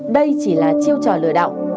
đây chỉ là chiêu trò lừa đạo